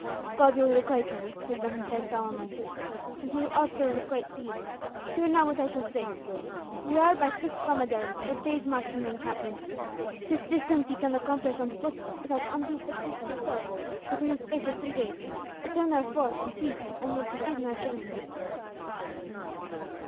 "God will requite him," said Ben Hesed solemnly; "and he will also requite thee. Hear now what I shall say. We are by swift dromedaries a day's march from the encampment; this distance ye can accomplish on foot without undue fatigue to yourselves within the space of three days. Return, therefore, in peace, and we will proceed on our journey."